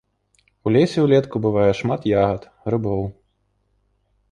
У лесе ўлетку бывае шмат ягад, грыбоў.